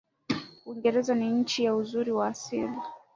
Uingereza ni nchi ya uzuri wa asili